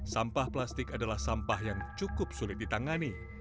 sampah plastik adalah sampah yang cukup sulit ditangani